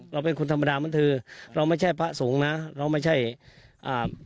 เราเป็นคนธรรมดาเหมือนเธอเราไม่ใช่พระสงฆ์นะเราไม่ใช่อ่า